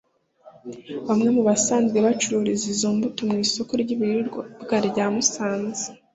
Bamwe mu basanzwe bacururiza izo mbuto mu isoko ry’ibiribwa rya Musanze